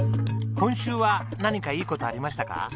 今週は何かいい事ありましたか？